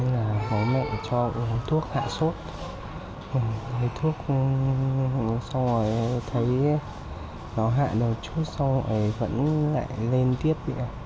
máu mẹ cho thuốc hạ sốt thuốc xong rồi thấy nó hạ đầu chút xong rồi vẫn lại lên tiếp